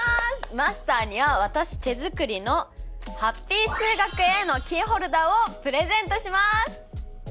マスターには私手作りのハッピー数学Ａのキーホルダーをプレゼントします。